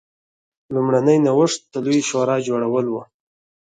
لومړنی نوښت د لویې شورا جوړول و